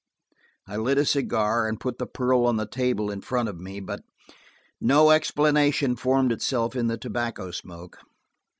I lit a cigar and put the pearl on the table in front of me. But no explanation formed itself in the tobacco smoke.